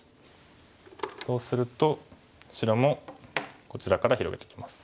そうすると白もこちらから広げてきます。